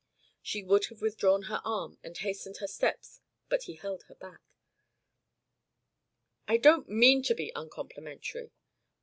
She would have withdrawn her arm and hastened her steps but he held her back. "I don't mean to be uncomplimentary.